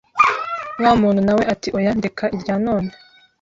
Wa muntu na we ati oya ndeka irya none